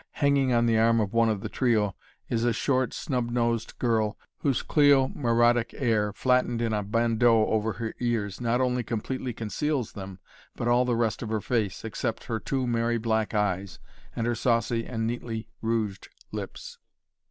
Hanging on the arm of one of the trio is a short snub nosed girl, whose Cleo Merodic hair, flattened in a bandeau over her ears, not only completely conceals them, but all the rest of her face, except her two merry black eyes and her saucy and neatly rouged lips.